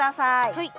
はい。